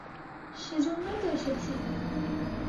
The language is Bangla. সেজন্যই তো এসেছি।